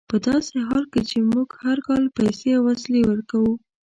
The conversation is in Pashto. په داسې حال کې چې موږ هر کال پیسې او وسلې ورکوو.